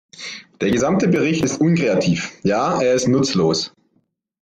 Der gesamte Bericht ist unkreativ, ja, er ist nutzlos!